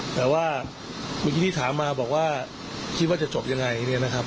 แต่ว่าเมื่อกี้ที่ถามมาบอกว่าคิดว่าจะจบยังไงเนี่ยนะครับ